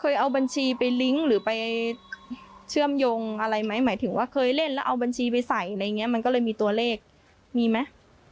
เอาบัญชีไปลิงก์หรือไปเชื่อมโยงอะไรไหมหมายถึงว่าเคยเล่นแล้วเอาบัญชีไปใส่อะไรอย่างเงี้มันก็เลยมีตัวเลขมีไหม